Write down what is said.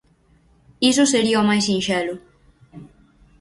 Iso sería o máis sinxelo.